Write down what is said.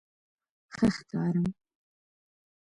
_ښه ښکارم؟